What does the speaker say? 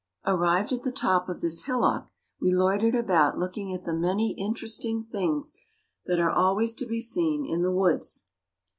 Arrived at the top of this hillock we loitered about looking at the many interesting thing that are always to be seen in the woods.